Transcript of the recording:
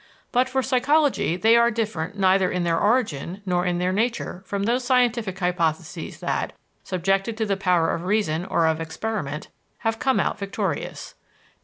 But for psychology they are different neither in their origin nor in their nature from those scientific hypotheses that, subjected to the power of reason or of experiment, have come out victorious.